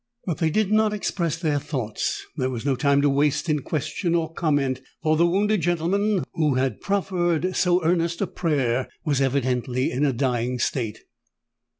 But they did not express their thoughts: there was no time to waste in question or comment—for the wounded gentleman, who had proffered so earnest a prayer, was evidently in a dying state.